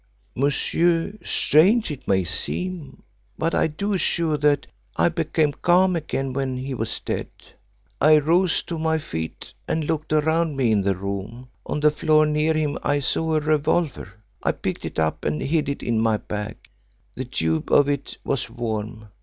"Monsieur, strange it may seem, but I do assure you that I became calm again when he was dead. I rose to my feet and looked round me in the room. On the floor near him I saw a revolver. I picked it up and hid it in my bag. The tube of it was warm.